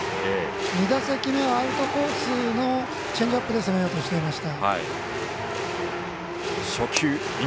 ２打席目はアウトコースのチェンジアップで攻めようとしていました。